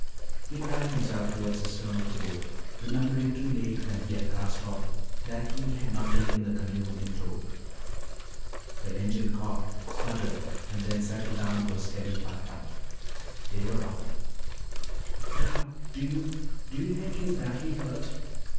He dragged himself toward the stern of the boat, remembering too late, when he had cast off, that he had not taken the canoe in tow. The engine coughed, sputtered, and then settled down to a steady putt putt. They were off. "Val, do you do you think he is badly hurt?"